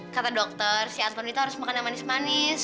kata dokter si advone itu harus makan yang manis manis